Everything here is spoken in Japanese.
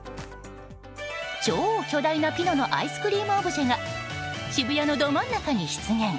超巨大なピノのアイスクリームオブジェが渋谷のど真ん中に出現。